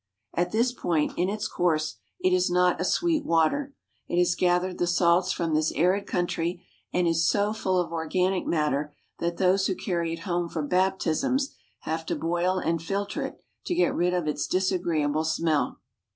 At this point in its course it is not a sweet water. It has gathered the salts from this arid country and is so full of organic matter that those who carry it home for baptisms have to boil and filter it to get rid of its dis agreeable smell.